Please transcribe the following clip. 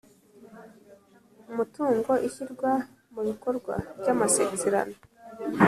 Umutungo ishyirwa mu bikorwa ry amasezerano